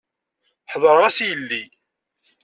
Heḍṛeɣ-as i yelli.